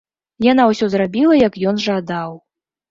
Яна ўсё зрабіла, як ён жадаў.